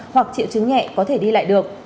hoặc triệu chứng nhẹ có thể đi lại được